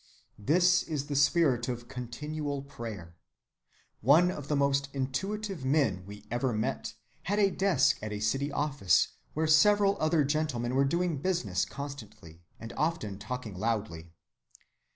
This is the spirit of continual prayer.(60) One of the most intuitive men we ever met had a desk at a city office where several other gentlemen were doing business constantly, and often talking loudly.